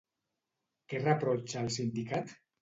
Què reprotxa el sindicat?